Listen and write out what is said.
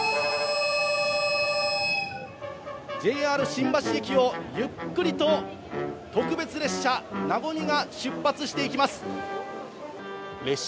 ＪＲ新橋駅をゆっくりと特別列車なごみが出発していきます。